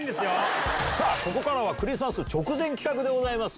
ここからはクリスマス直前企画でございます。